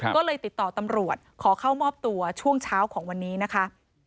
ก็เลยติดต่อตำรวจขอเข้ามอบตัวช่วงเช้าของวันนี้นะคะ